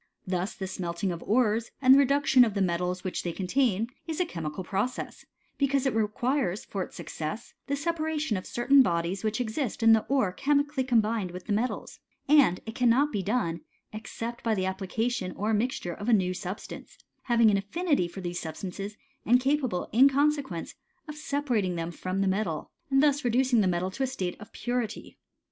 Thus the smelting of ores, and the reduction of the metals which they contain, is a chemical process ; because it requires, for its success, the separation of certain bodies which exist in the ore chemically combined with the metals ; and it cannot be done, except by the application or mixture of a new substance, having an affinity for these substances, and capable, in consequence, of separating them from the metal, and thus reducing the metal to a state of purity.